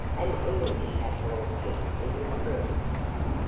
An English apple orchard in the spring?